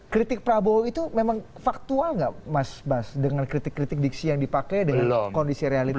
kritik prabowo itu memang faktual nggak mas bas dengan kritik kritik diksi yang dipakai dengan kondisi realitas